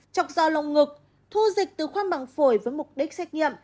chọc dò lồng ngực thu dịch từ khoang măng phổi với mục đích xét nghiệm